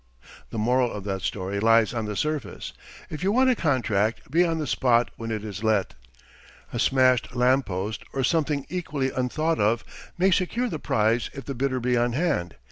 The moral of that story lies on the surface. If you want a contract, be on the spot when it is let. A smashed lamp post or something equally unthought of may secure the prize if the bidder be on hand.